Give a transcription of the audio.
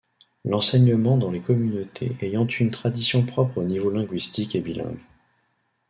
L'enseignement dans les communautés ayant une tradition propre au niveau linguistique est bilingue.